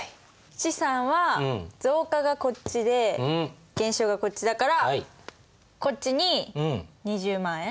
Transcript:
資産は増加がこっちで減少がこっちだからこっちに２０万円。